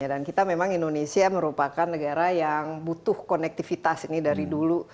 dan kita memang indonesia merupakan negara yang butuh konektivitas ini dari dulu